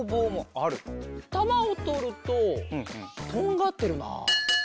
たまをとるととんがってるな。